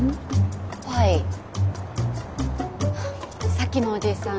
さっきのおじいさん